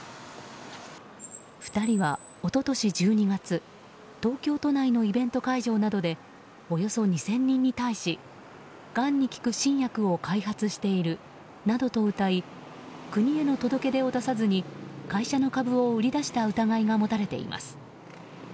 ２人は一昨年１２月東京都内のイベント会場などでおよそ２０００人に対しがんに効く新薬を開発しているなどとうたい国への届け出を出さずに会社の株を売り出した疑いが持たれています。